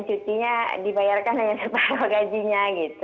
cutinya dibayarkan hanya separuh gajinya gitu